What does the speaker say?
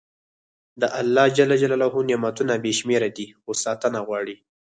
د الله نعمتونه بې شمېره دي، خو ساتنه غواړي.